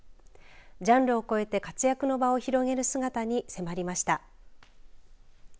ジャンルを越えて活躍の場を広げる姿に迫りました。